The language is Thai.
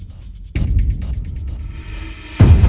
ตอนที่สุดมันกลายเป็นสิ่งที่ไม่มีความคิดว่า